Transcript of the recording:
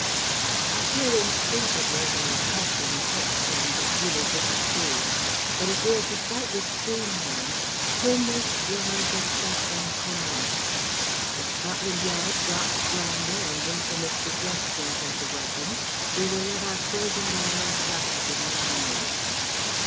I feel instinctively I am touching pitch and that you will disapprove ... but if we are to fight with clean hands, que Messieurs les Assassins commencent! If Scotland Yards drops slander and infamous suggestions as a weapon we will let our poisoned arrows rust in the armoury.